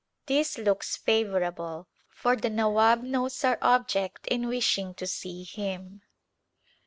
This looks favorable, for the Nawab knows our object in wishing to see him.